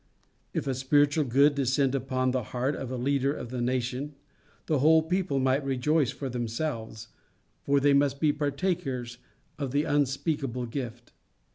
If a spiritual good descend upon the heart of a leader of the nation, the whole people might rejoice for themselves, for they must be partakers of the unspeakable gift.